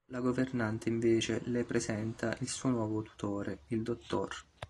La governante invece le presenta il suo nuovo tutore, il dott.